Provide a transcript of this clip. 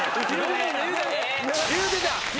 言うてた。